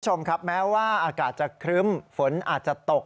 คุณผู้ชมครับแม้ว่าอากาศจะครึ้มฝนอาจจะตก